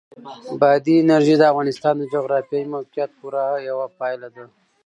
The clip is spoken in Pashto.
بادي انرژي د افغانستان د جغرافیایي موقیعت پوره یوه پایله ده.